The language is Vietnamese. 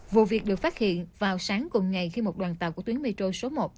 vụ việc được phát hiện vào sáng cùng ngày khi một đoàn tàu của tuyến metro số một